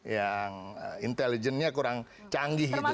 yang intelijennya kurang canggih gitu